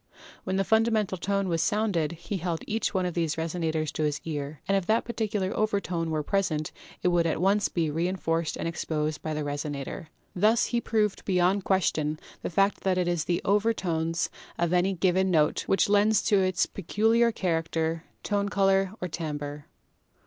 When the fundamental tone was sounded^ he held each one of these resonators to his ear, and if that particular overtone were present it would at once be rein forced and exposed by the resonator. Thus he proved, beyond question the fact that it is the overtones of any 126 PHYSICS given note which lend to it its peculiar character, tone color or timbre.